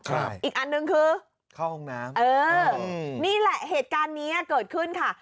ใช่อีกอันหนึ่งคือเออนี่แหละเหตุการณ์นี้เกิดขึ้นค่ะ